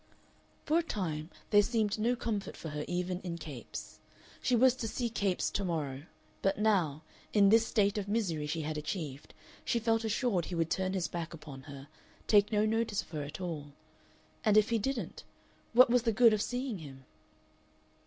For a time there seemed no comfort for her even in Capes. She was to see Capes to morrow, but now, in this state of misery she had achieved, she felt assured he would turn his back upon her, take no notice of her at all. And if he didn't, what was the good of seeing him?